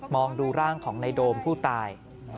องดูร่างของในโดมผู้ตาย